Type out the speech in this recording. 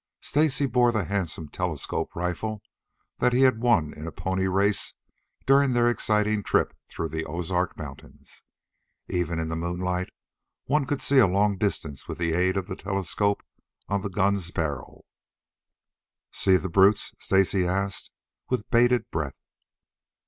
Stacy bore the handsome telescope rifle that he had won in a pony race during their exciting trip through the Ozark Mountains. Even in the moonlight one could see a long distance with the aid of the telescope on the gun's barrel. "See the brutes?" asked Stacy, with bated breath.